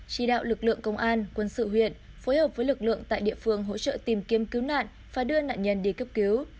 chỉ đạo lực lượng công an quân sự huyện phối hợp với lực lượng tại địa phương hỗ trợ tìm kiếm cứu nạn và đưa nạn nhân đi cấp cứu